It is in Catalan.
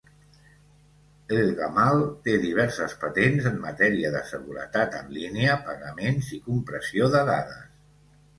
Elgamal té diverses patents en matèria de seguretat en línia, pagaments i compressió de dades.